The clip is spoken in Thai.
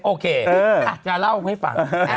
โอเคอาจจะเล่าให้ฟัง